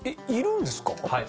はい。